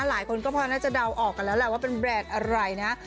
หลายคนก็พอน่าจะเดาออกกันแล้วแหละว่าเป็นแบรนด์อะไรนะ